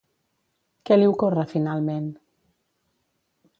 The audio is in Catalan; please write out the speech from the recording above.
Què li ocorre finalment?